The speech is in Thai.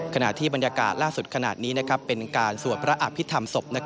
ขณะที่บรรยากาศล่าสุดขนาดนี้เป็นการสวดพระอภิษฐรรมศพ